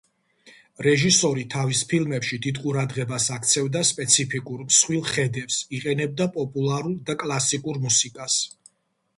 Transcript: რეჟისორი თავის ფილმებში დიდ ყურადღებას აქცევდა სპეციფიკურ მსხვილ ხედებს, იყენებდა პოპულარულ და კლასიკურ მუსიკას.